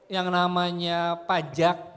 yang namanya pajak